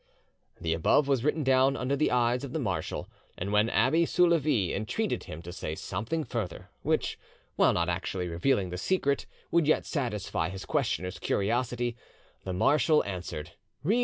The above was written down under the eyes of the marshal, and when Abbe Soulavie entreated him to say something further which, while not actually revealing the secret, would yet satisfy his questioner's curiosity, the marshal answered, "Read M.